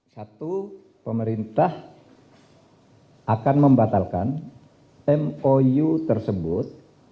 satu pemerintah akan membatalkan mou tersebut